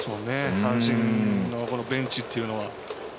阪神のベンチっていうのは。